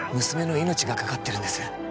娘の命がかかってるんです